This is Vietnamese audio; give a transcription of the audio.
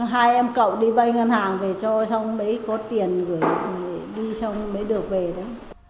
hai em cậu đi vay ngân hàng về cho xong mới có tiền gửi đi xong mới được về đấy